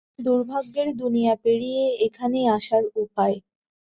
দুর্ভাগ্যের দুনিয়া পেরিয়ে এখানে আসার উপায়।